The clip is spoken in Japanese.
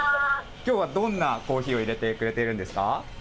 きょうはどんなコーヒーをいれてくれているんですか？